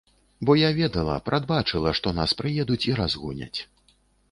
Бо я ведала, прадбачыла, што нас прыедуць і разгоняць.